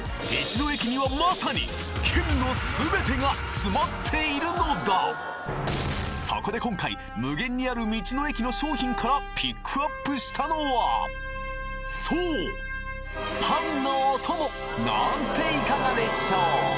まさにそこで今回無限にある道の駅の商品からピックアップしたのはそう！なんていかがでしょう！